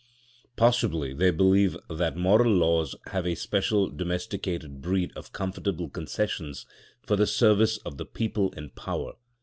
Possibly they believe that moral laws have a special domesticated breed of comfortable concessions for the service of the people in power.